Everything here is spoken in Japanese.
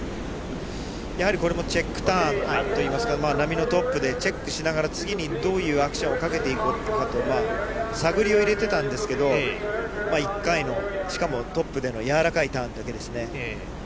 やはりこれもチェックターン、波のトップでチェックしながら、次にどういうアクションをかけていこうかと、探りを入れてたんですけど、１回の、しかもトップでの柔らかいターンだけですね。